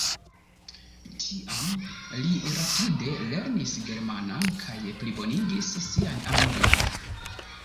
Tiam li rapide lernis germanan kaj plibonigis sian anglan.